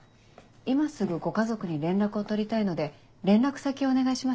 今すぐご家族に連絡を取りたいので連絡先お願いします。